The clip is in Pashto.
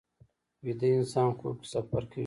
ویده انسان خوب کې سفر کوي